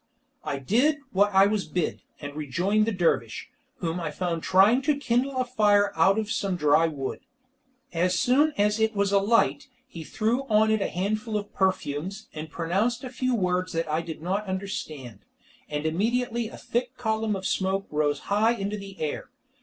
I did what I was bid, and rejoined the dervish, whom I found trying to kindle a fire out of some dry wood. As soon as it was alight, he threw on it a handful of perfumes, and pronounced a few words that I did not understand, and immediately a thick column of smoke rose high into the air.